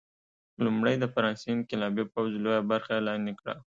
لومړی د فرانسې انقلابي پوځ لویه برخه لاندې کړه.